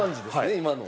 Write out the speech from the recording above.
今の。